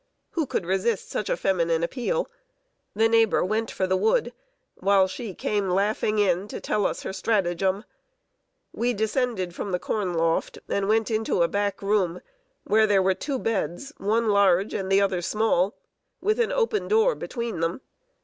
Who could resist such a feminine appeal? The neighbor went for the wood, while she came laughing in, to tell us her stratagem. We descended from the corn loft, and went into a back room, where there were two beds, one large and the other small, with an open door between them.